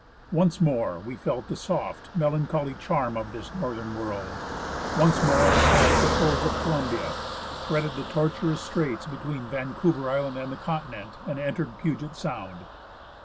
Once more we felt the soft, melancholy charm of this northern world ; once more passed the shores of Columbia, threaded the tortuous straits between Vancouver Island and the continent and entered Puget Sound.